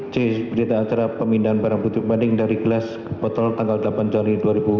c berita acara pemindahan barang putih pembanding dari gelas ke botol tanggal delapan januari dua ribu enam belas